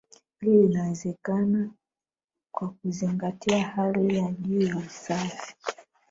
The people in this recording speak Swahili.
Hili linawezekana kwa kuzingatia hali ya juu ya usafi